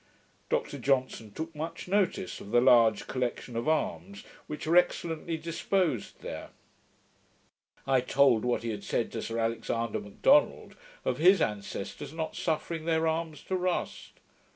Dr Johnson took much notice of the large collection of arms, which are excellently disposed there. I told what he had said to Sir Alexander McDonald, of his ancestors not suffering their arms to rust.